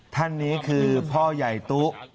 ท่านนี้คือพ่อใหญ่ตุ๊